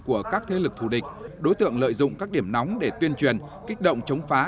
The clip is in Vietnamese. của các thế lực thù địch đối tượng lợi dụng các điểm nóng để tuyên truyền kích động chống phá